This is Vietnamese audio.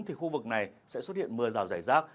thì khu vực này sẽ xuất hiện mưa rào rải rác